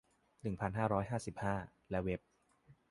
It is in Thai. หนึ่งพันห้าร้อยห้าสิบห้า และเว็บ